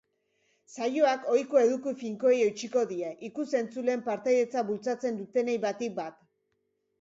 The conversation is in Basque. Saioak ohiko eduki finkoei eutsiko die, ikus-entzuleen partaidetza bultzatzen dutenei batik bat.